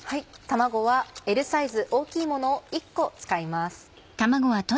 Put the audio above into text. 卵はＬサイズ大きいものを１個使います。